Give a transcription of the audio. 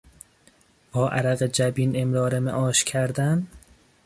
با عرق جبین امرار معاش کردن